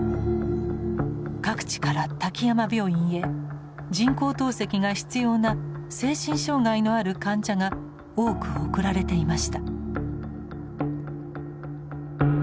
各地から滝山病院へ人工透析が必要な精神障害のある患者が多く送られていました。